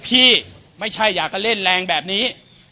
ไม่ใช่อยากจะเล่นแรงแบบนี้